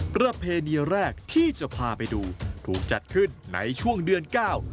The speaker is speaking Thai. ประเพณีแรกที่จะพาไปดูถูกจัดขึ้นในช่วงเดือนเก้า